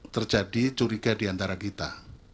terjadi curiga diantara kita